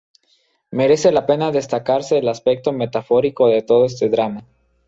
Merece la pena destacarse el aspecto metafórico de todo este drama.